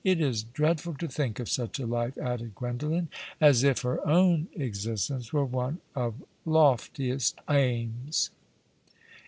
It is dreadful to think of such a life," added Gwendolen, as if her own existence were one of loftiest aims.